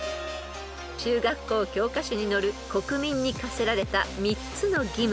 ［中学校教科書に載る国民に課せられた３つの義務］